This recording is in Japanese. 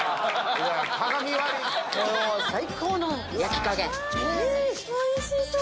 うわおいしそう！